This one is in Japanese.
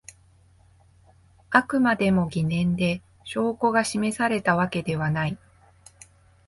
あくまでも疑念で証拠が示されたわけではない